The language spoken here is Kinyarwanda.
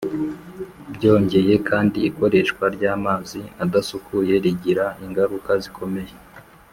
byongeye kandi ikoreshwa ry'amazi adasukuye rigira ingaruka zikomeye